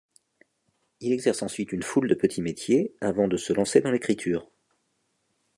Il exerce ensuite une foule de petits métiers avant de se lancer dans l'écriture.